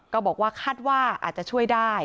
ก็บอกว่าคาดว่าอาจจะช่วยได้